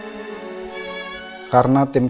karena tim kami masih berada di tempat ini